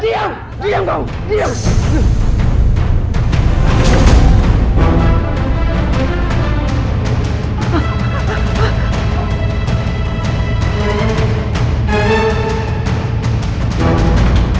diam diam kamu diam